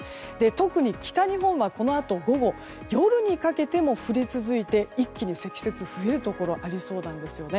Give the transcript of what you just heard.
特に北日本はこのあと午後、夜にかけても降り続いて、一気に積雪が増えるところがありそうです。